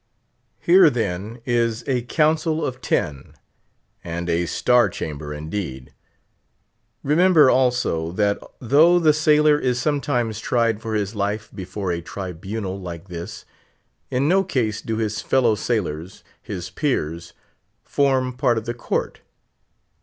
Here, then, is a Council of Ten and a Star Chamber indeed! Remember, also, that though the sailor is sometimes tried for his life before a tribunal like this, in no case do his fellow sailors, his peers, form part of the court.